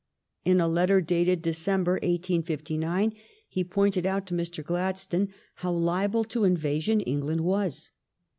In a letter dated Decem ber ISfiQy he pointed out to Mr. Gladstone bow liable to invasion England was.